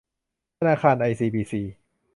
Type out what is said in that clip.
ธนาคารไอซีบีซี